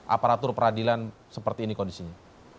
aparatur peradilan seperti ini kondisinya